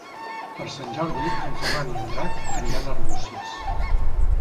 Per Sant Jordi en Ferran i en Drac aniran a Arbúcies.